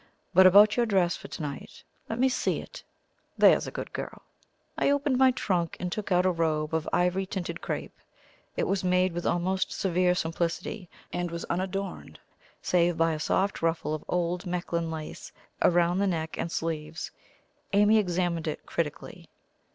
But about your dress for to night. Let me see it, there's a good girl." I opened my trunk and took out a robe of ivory tinted crepe. It was made with almost severe simplicity, and was unadorned, save by a soft ruffle of old Mechlin lace round the neck and sleeves. Amy examined it critically.